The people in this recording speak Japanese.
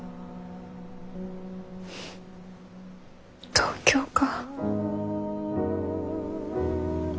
東京か。